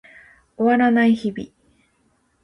終わらない日々